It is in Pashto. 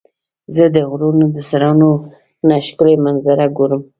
زه د غرونو د سرونو نه ښکلي منظره ګورم.